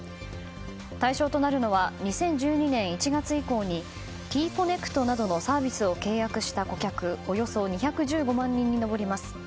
対象となるのは２０１２年１月以降にＴ‐Ｃｏｎｎｅｃｔなどのサービスを契約した顧客およそ２１５万人に上ります。